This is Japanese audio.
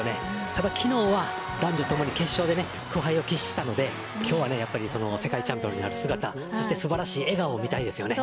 ただ、昨日は男女ともに決勝で苦杯を喫したので今日は世界チャンピオンになる姿素晴らしい笑顔を見たいですね。